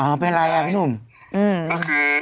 เหมือนกับอะไรนำนุ่ม